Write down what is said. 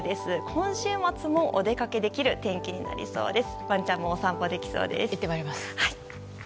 今週末もお出かけできる天気になりそうです。